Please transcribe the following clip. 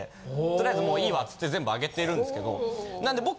とりあえずもういいわっつって全部あげてるんですけど。